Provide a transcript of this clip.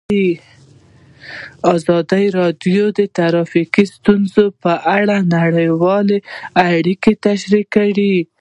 ازادي راډیو د ټرافیکي ستونزې په اړه نړیوالې اړیکې تشریح کړي.